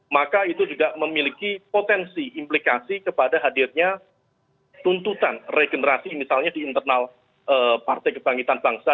maka itu juga memiliki potensi implikasi kepada hadirnya tuntutan regenerasi misalnya di internal partai kebangkitan bangsa